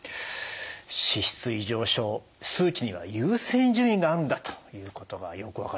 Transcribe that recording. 脂質異常症数値には優先順位があるんだということがよく分かりましたね。